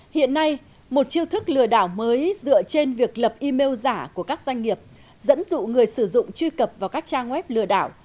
hiện nay một chiêu thức lừa đảo mới dựa trên việc lập email giả của các doanh nghiệp dẫn dụ người sử dụng truy cập vào các trang web lừa đảo